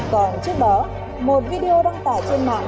còn trước đó một video đăng tải trên mạng